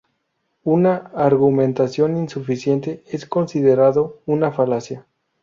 Una argumentación insuficiente es considerado una falacia.